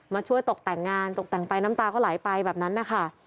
มาช่วยตกแต่งงานตกแต่งไปน้ำตาก็ไหลไปแบบนั้นนะคะ